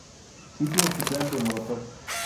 Sitio oficial de Molotov